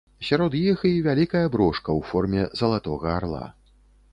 Сярод іх і вялікая брошка ў форме залатога арла.